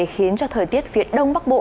khiến cho thời tiết phía đông bắc bộ